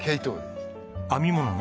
編み物の？